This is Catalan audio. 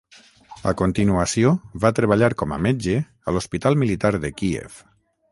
A continuació, va treballar com a metge a l'Hospital Militar de Kíev.